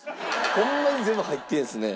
ホンマに全部入ってるんですね。